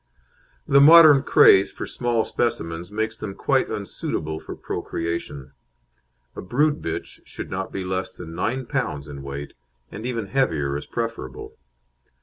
The modern craze for small specimens makes them quite unsuitable for procreation. A brood bitch should not be less than 9 lb. in weight, and even heavier is preferable.